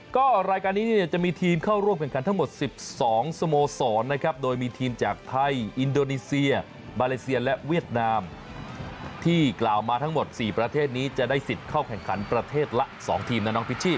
ก็รายการนี้เนี่ยจะมีทีมเข้าร่วมแข่งขันทั้งหมด๑๒สโมสรนะครับโดยมีทีมจากไทยอินโดนีเซียมาเลเซียและเวียดนามที่กล่าวมาทั้งหมด๔ประเทศนี้จะได้สิทธิ์เข้าแข่งขันประเทศละ๒ทีมนะน้องพิชชี่